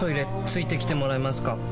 付いてきてもらえますか？